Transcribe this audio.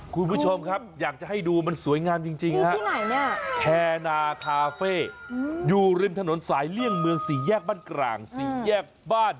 คุณผู้ชมครับอยากจะให้ดูมันสวยงามจริงฮะแคนาคาเฟ่อยู่ริมถนนสายเลี่ยงเมือง๔แยกบ้านกลางสี่แยกบ้าน